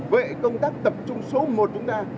vậy công tác tập trung số một chúng ta